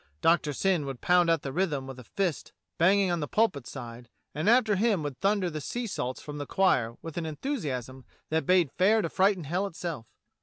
Doctor Syn would pound out the rhythm with a fist banging on the pulpit side, and after him would thunder the sea salts from the choir with an enthusiasm that bade fair to frighten hell itself.